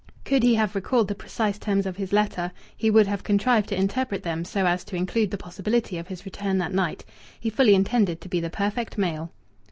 Could he have recalled the precise terms of his letter, he would have contrived to interpret them so as to include the possibility of his return that night. He fully intended to be the perfect male.